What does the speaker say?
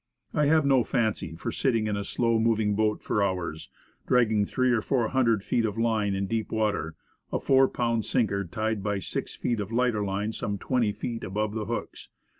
I have no fancy for sitting in a slow moving boat for hours, dragging three or four hundred feet of line in deep water, a four pound sinker tied by six feet of lighter line some twenty feet above the hooks.